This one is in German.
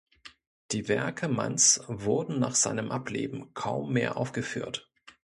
Die Werke Manns wurden nach seinem Ableben kaum mehr aufgeführt.